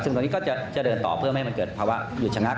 ซึ่งตอนนี้ก็จะเดินต่อเพื่อไม่ให้มันเกิดภาวะหยุดชะงัก